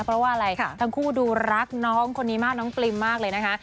เพราะว่าอะไรทั้งคู่ดูรักน้องคนนี้มากน้องปริมมากเลยนะคะ